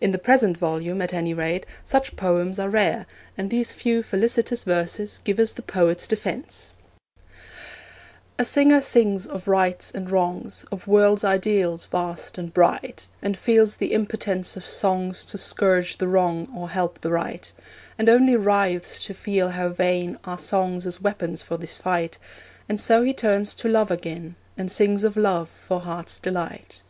In the present volume, at any rate, such poems are rare, and these few felicitous verses give us the poet's defence: A singer sings of rights and wrongs, Of world's ideals vast and bright, And feels the impotence of songs To scourge the wrong or help the right; And only writhes to feel how vain Are songs as weapons for his fight; And so he turns to love again, And sings of love for heart's delight.